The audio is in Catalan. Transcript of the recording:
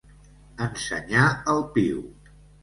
Ensenyar el piu.